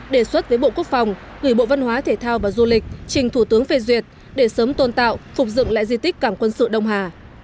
đề xuất với bộ quốc phòng gửi bộ văn hóa thể thao và du lịch trình thủ tướng phê duyệt để sớm tôn tạo phục dựng lại di tích cảng quân sự đông hà